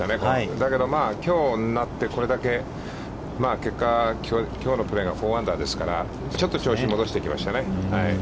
だけど、きょう、これだけ結果、きょうのプレーが４アンダーですから、ちょっと調子を戻してきましたね。